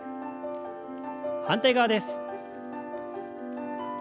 反対側です。